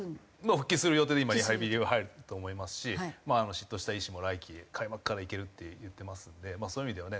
復帰する予定で今リハビリは入ると思いますし執刀した医師も「来季開幕からいける」って言ってますのでそういう意味ではね